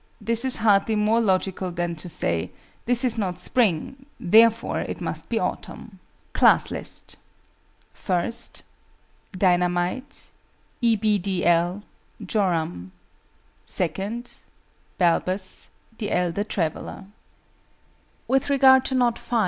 This is hardly more logical than to say "This is not Spring: therefore it must be Autumn." CLASS LIST. I. DINAH MITE. E. B. D. L. JORAM. II. BALBUS. THE ELDER TRAVELLER. With regard to Knot V.